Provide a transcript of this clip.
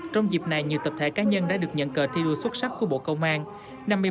trong dịp này nhiều tập thể cá nhân đã được nhận cờ thi đua xuất sắc của bộ công an